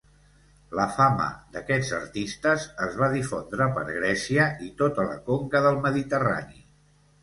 La fama d'aquests artistes es va difondre per Grècia i tota la conca del Mediterrani.